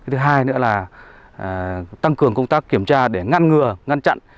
thứ hai nữa là tăng cường công tác kiểm tra để ngăn ngừa ngăn chặn